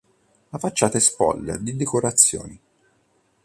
La facciata è spoglia di decorazioni.